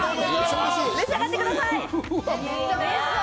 召し上がってください。